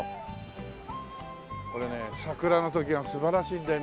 これね桜の時が素晴らしいんだよ